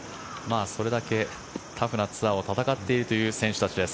それだけタフなツアーを戦っているという選手たちです。